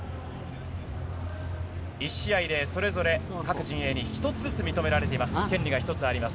１試合でそれぞれ各陣営に１つずつ認められています、権利が１つあります。